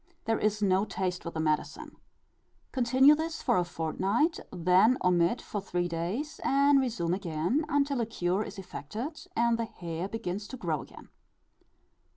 There is no taste with the medicine. Continue this for a fortnight, then omit for three days, and resume again until a cure is effected and the hair begins to grow again.